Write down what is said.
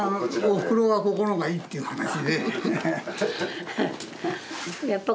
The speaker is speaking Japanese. おふくろがここの方がいいっていう話で。